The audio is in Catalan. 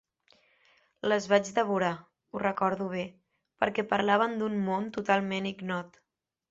Les vaig devorar, ho recordo bé, perquè parlaven d'un món totalment ignot.